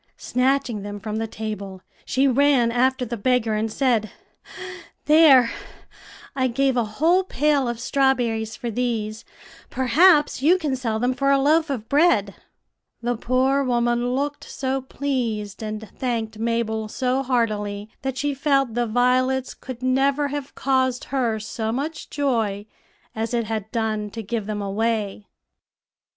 Snatching them from the table, she ran after the beggar, and said, "'There, I gave a whole pail of strawberries for these; perhaps you can sell them for a loaf of bread.'" The poor woman looked so pleased, and thanked Mabel so heartily, that she felt the violets could never have caused her so much joy as it had done to give them away.